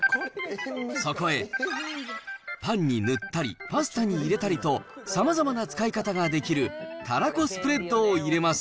そこへ、パンに塗ったり、パスタに入れたりと、さまざまな使い方ができるたらこスプレッドを入れます。